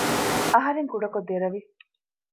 އަހަރެން ކުޑަކޮށް ދެރަވި